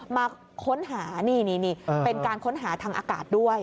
มาค้นหานี่เป็นการค้นหาทางอากาศด้วย